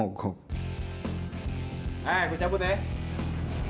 hei gue cabut ya